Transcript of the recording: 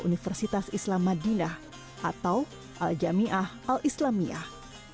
universitas islam madinah atau al jamaah al islamiyah